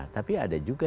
tapi ada juga